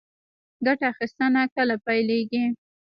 ګټه اخیستنه کله پیلیږي؟